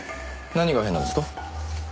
何が変なんですか？